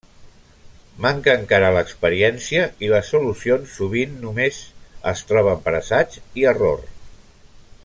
Manca encara l'experiència i les solucions sovint només es troben per assaig i error.